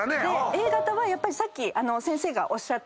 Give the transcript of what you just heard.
Ａ型はやっぱりさっき先生がおっしゃった